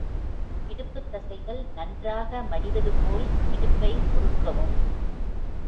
இடுப்புத் தசைகள் நன்றாக மடிவது போல் இடுப்பை முறுக்கவும்.